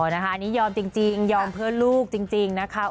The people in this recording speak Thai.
นะคะอันนี้ยอมจริงยอมเพื่อลูกจริงนะคะ